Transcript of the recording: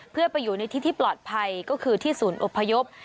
เพื่อไปอยู่ในที่ที่ปลอดภัยก็คือที่ศูนย์อพยพ